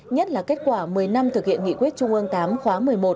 nhất là kết quả một mươi năm thực hiện nghị quyết trung ương tám khóa một mươi một